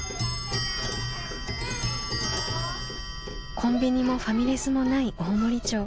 コンビニもファミレスもない大森町。